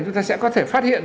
chúng ta sẽ có thể phát hiện